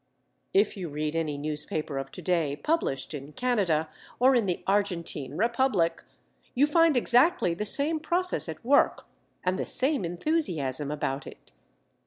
If you read any newspaper of to day published in Canada or in the Argentine Republic, you find exactly the same process at work, and the same enthusiasm about it.